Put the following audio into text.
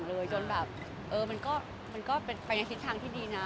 มีต่อมาจนแบบเออมันก็เป็นไปในทางที่ดีนะ